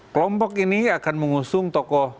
kelompok ini akan mengusung tokoh